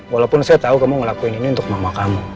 walaupun saya tahu kamu ngelakuin ini untuk mama kamu